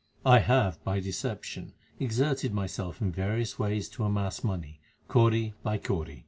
I have by deception exerted myself in various ways to amass money kauri by kauri.